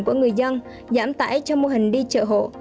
của người dân giảm tải cho mô hình đi chợ hộ